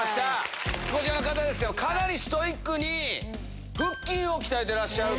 こちらの方ですけど、かなりストイックに腹筋を鍛えてらっしゃると。